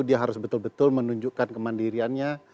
dia harus betul betul menunjukkan kemandiriannya